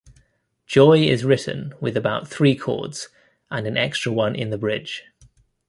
"Joy" is written with about three chords, and an extra one in the bridge.